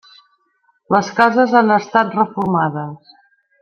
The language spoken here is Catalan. Les cases han estat reformades.